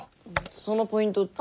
そのポイントって。